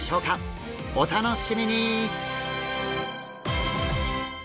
お楽しみに！